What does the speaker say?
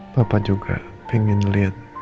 papa juga pengen lihat